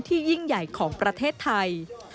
ยิ่งใหญ่ของประเทศไทย